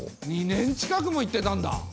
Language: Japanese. ２年近くも行ってたんだ！